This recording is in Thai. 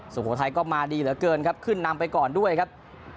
สุโขทัยก็มาดีเหลือเกินครับขึ้นนำไปก่อนด้วยครับ